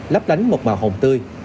lắp đánh một màu hồng tươi